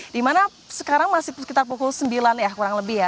dimana sekarang masih sekitar pukul sembilan ya kurang lebih ya